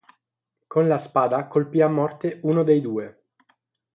Con la spada colpì a morte uno dei due.